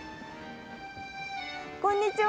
こんにちは！